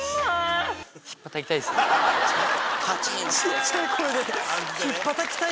⁉小っちゃい声で。